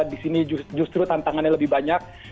di sini justru tantangannya lebih banyak